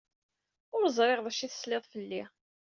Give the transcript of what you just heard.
Ur ẓriɣ d acu tesliḍ fell-i.